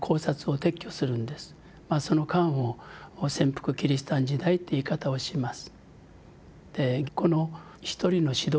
その間を「潜伏キリシタン時代」っていう言い方をします。